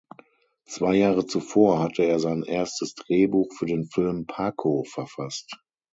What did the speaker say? Zwei Jahre zuvor hatte er sein erstes Drehbuch für den Film "Paco" verfasst.